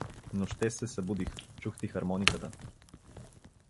Нощес се събудих, чух ти хармониката.